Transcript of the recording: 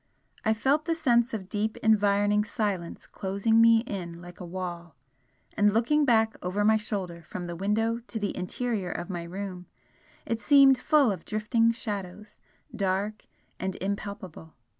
I felt the sense of deep environing silence closing me in like a wall and looking back over my shoulder from the window to the interior of my room it seemed full of drifting shadows, dark and impalpable.